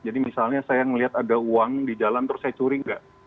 jadi misalnya saya melihat ada uang di dalam terus saya curi enggak